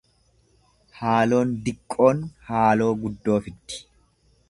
Haaloon diqqoon haaloo guddoo fiddi.